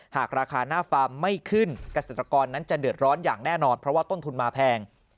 หากราคาหน้าฟาร์มไม่ขึ้นเกษตรกรนั้นจะเดือดร้อนอย่างแน่นอนเพราะว่าต้นทุนมาแพง